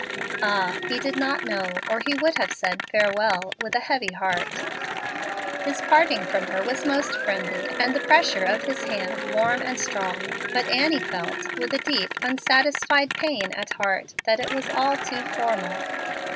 Ah, he did not know, or he would have said "farewell" with a heavy heart. His parting from her was most friendly, and the pressure of his hand warm and strong, but Annie felt, with a deep, unsatisfied pain at heart, that it was all too formal.